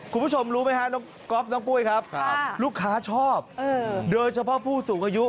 คุณผู้ชมรู้ไหมฮะน้องก๊อฟน้องปุ้ยครับลูกค้าชอบโดยเฉพาะผู้สูงอายุ